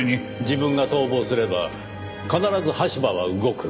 自分が逃亡すれば必ず羽柴は動く。